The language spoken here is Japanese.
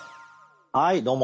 はいどうも。